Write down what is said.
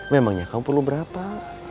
memangnya kamu perlu berapa